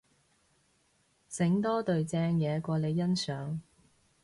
醒多隊正嘢過你欣賞